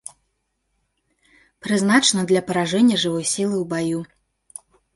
Прызначана для паражэння жывой сілы ў баю.